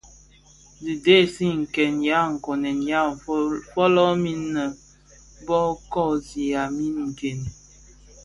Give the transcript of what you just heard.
Dhi dhesi nken wa nkonen waa folomin innë bo kosigha min nken.